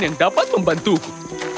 yang dapat membantuku